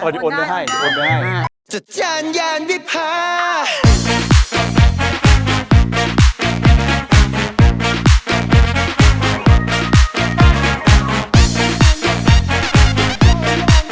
สวัสดีครับ